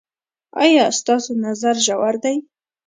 ایا ستاسو نظر ژور دی؟